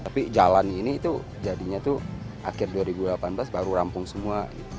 tapi jalan ini itu jadinya tuh akhir dua ribu delapan belas baru rampung semua